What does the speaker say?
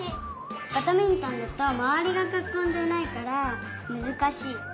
バドミントンだとまわりがかこんでないからむずかしい。